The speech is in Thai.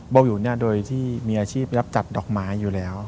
เบาวิวโดยที่มีอาชีพรับจัดดอกไม้อยู่แล้ว